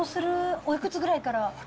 おいくつぐらいから？